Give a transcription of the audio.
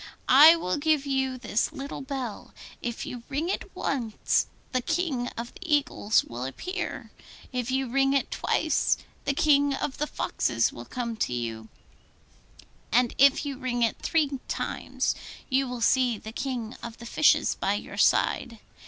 I will give you this little bell: if you ring it once, the King of the Eagles will appear; if you ring it twice, the King of the Foxes will come to you; and if you ring it three times, you will see the King of the Fishes by your side.